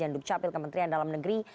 dukcapil kementerian dalam negeri